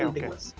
itu penting mas